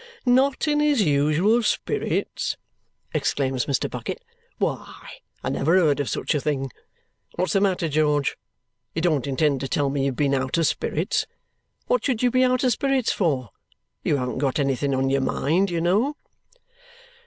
"Not in his usual spirits?" exclaims Mr. Bucket. "Why, I never heard of such a thing! What's the matter, George? You don't intend to tell me you've been out of spirits. What should you be out of spirits for? You haven't got anything on your mind, you know."